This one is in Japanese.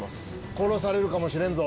殺されるかもしれんぞ